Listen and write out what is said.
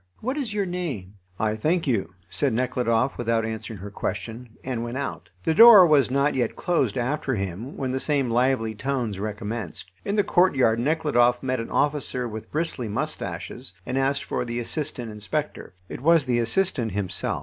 What is your name?" "I thank you," said Nekhludoff, without answering her question, and went out. The door was not yet closed after him when the same lively tones recommenced. In the courtyard Nekhludoff met an officer with bristly moustaches, and asked for the assistant inspector. It was the assistant himself.